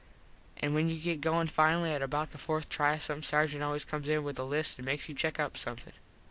An when you get goin finally at about the fourth try some sargent always comes in with a list and makes you check up something.